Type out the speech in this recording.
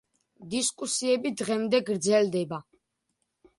დისკუსიები დღემდე გრძელდება.